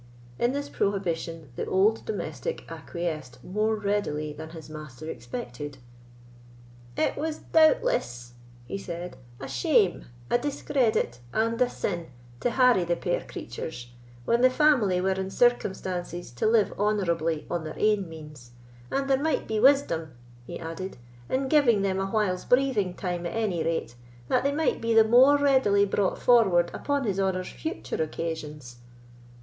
In this prohibition, the old domestic acquiesced more readily than his master expected. "It was doubtless," he said, "a shame, a discredit, and a sin to harry the puir creatures, when the family were in circumstances to live honourably on their ain means; and there might be wisdom," he added, "in giving them a while's breathing time at any rate, that they might be the more readily brought forward upon his honour's future occasions."